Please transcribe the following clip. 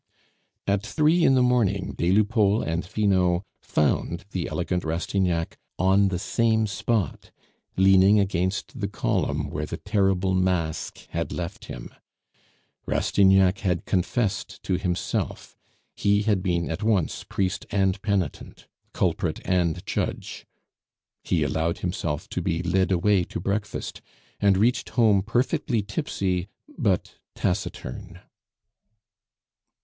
At three in the morning des Lupeaulx and Finot found the elegant Rastignac on the same spot, leaning against the column where the terrible mask had left him. Rastignac had confessed to himself; he had been at once priest and pentient, culprit and judge. He allowed himself to be led away to breakfast, and reached home perfectly tipsy, but taciturn.